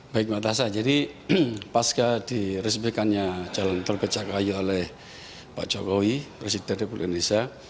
baik mbak tasha jadi pasca direspekannya jalan terbecakayu oleh pak jokowi presiden republik indonesia